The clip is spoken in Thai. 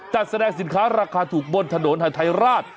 จัดแสดงสินค้าราคาถูกบนถนนหาทัยราช